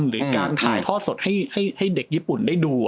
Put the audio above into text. หรือการถ่ายทอดสดให้เด็กญี่ปุ่นได้ดู